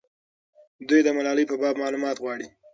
دوی د ملالۍ په باب معلومات غواړي.